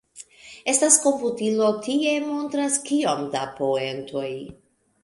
Estas komputilo tie montras kiom da poentoj.